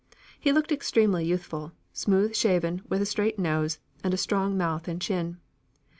He looked extremely youthful; smooth shaven, with a straight nose, and a strong mouth and chin.